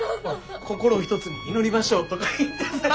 心を一つに祈りましょうとか言ってさぁ。